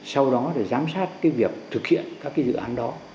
sau đó để giám sát cái việc thực hiện các cái dự án đó